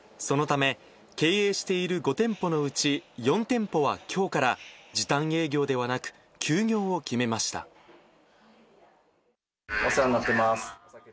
そのため、経営している５店舗のうち、４店舗はきょうから時短営業ではお世話になってます。